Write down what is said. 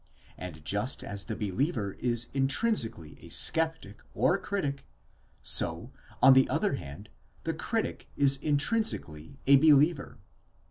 And just as the believer is intrinsically a sceptic or critic, so; on the other hand, the critic is intrinsically a believer.